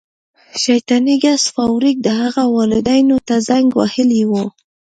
شیطاني ګس فارویک د هغه والدینو ته زنګ وهلی و